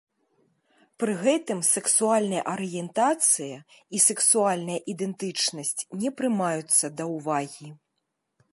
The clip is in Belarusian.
Пры гэтым сексуальная арыентацыя і сексуальная ідэнтычнасць не прымаюцца да ўвагі.